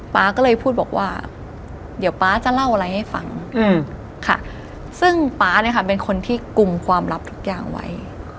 ๊าก็เลยพูดบอกว่าเดี๋ยวป๊าจะเล่าอะไรให้ฟังค่ะซึ่งป๊าเนี่ยค่ะเป็นคนที่กลุ่มความลับทุกอย่างไว้